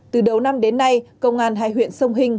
từ đầu năm đến nay công an hai huyện sông hình